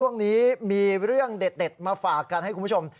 ช่วงนี้มีเรื่องเด็ดมาฝากกันให้คุณผู้ชม